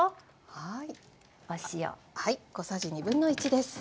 はい。